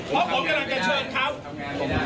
เพราะผมกำลังจะเชิญเขา